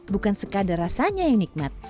bukan sekadar rasanya yang nikmat